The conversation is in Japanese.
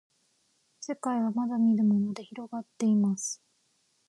せかいはまだみぬものでひろがっています